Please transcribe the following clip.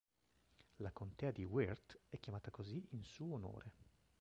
La contea di Wirt è chiamata così in suo onore.